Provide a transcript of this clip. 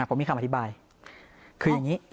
ผมมีคำอธิบายคืออย่างนี้